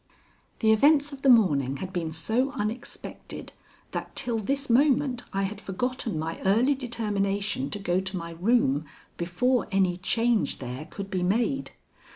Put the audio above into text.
The events of the morning had been so unexpected that till this moment I had forgotten my early determination to go to my room before any change there could be made.